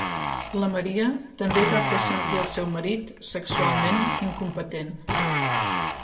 La Maria també va fer sentir el seu marit sexualment incompetent.